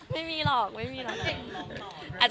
ไม่มีค่ะ